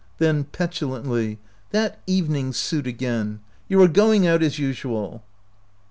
Then petulantly, " That evening suit again ! You are going out, as usual."